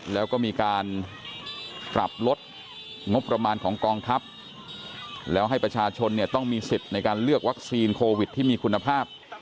แล้วก็มีการปรับลดงบประมาณของกองทัพแล้วให้ประชาชนเนี่ยต้องมีสิทธิ์ในการเลือกวัคซีนโควิดที่มีคุณภาพ